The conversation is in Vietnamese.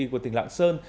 của tỉnh lạng sơn